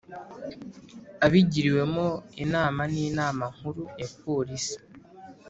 Abigiriwemo inama n inama nkuru ya polisi